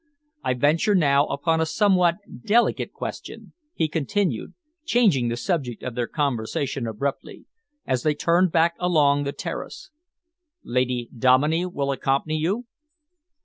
I venture now upon a somewhat delicate question," he continued, changing the subject of their conversation abruptly, as they turned back along the terrace. "Lady Dominey will accompany you?"